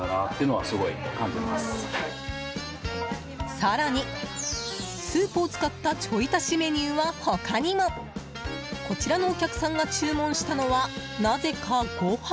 更に、スープを使ったちょい足しメニューは他にも。こちらのお客さんが注文したのはなぜかご飯。